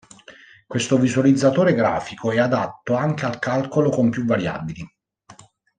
Questo visualizzatore grafico è adatto anche al calcolo con più variabili.